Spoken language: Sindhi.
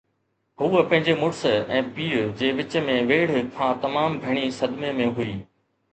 هوءَ پنهنجي مڙس ۽ پيءُ جي وچ ۾ ويڙهه کان تمام گهڻي صدمي ۾ هئي.